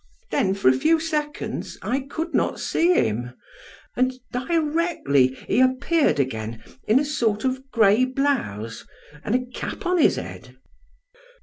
"Then, for a few seconds, I could not see him, and directly he appeared again, in a sort of gray blouse, and a cap on his Lead."